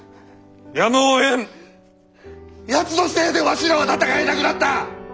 やつのせいでわしらは戦えなくなった！